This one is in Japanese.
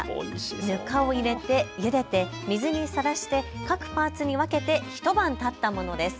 ぬかを入れてゆでて水にさらして各パーツに分けて一晩たったものです。